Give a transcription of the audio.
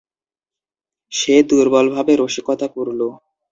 সে দুর্বলভাবে রসিকতা করল।